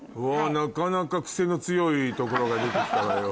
なかなかクセの強いところが出て来たわよ